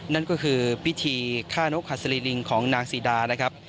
นั่นก็คือพิธีฆ่านกหัสลิงของนางซีดานะครับ